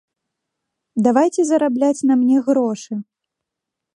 Давайце зарабляць на мне грошы!